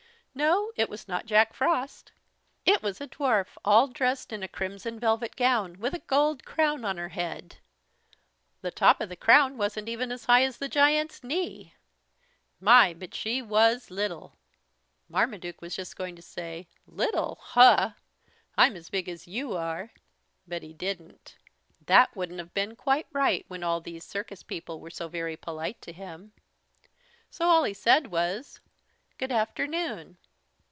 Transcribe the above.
No, it was not Jack Frost. It was a dwarf, all dressed in a crimson velvet gown, with a gold crown on her head. The top of the crown wasn't even as high as the giant's knee. My, but she was little! Marmaduke was just going to say, "Little, huh! I'm as big as you are!" But he didn't. That wouldn't have been quite right when all these circus people were so very polite to him. So all he said was: "Good afternoon!"